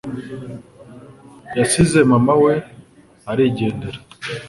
yasize mama we arigendera